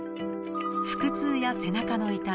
腹痛や背中の痛み。